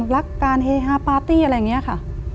รักการเฮฮาปาร์ตี้อะไรอย่างนี้ค่ะ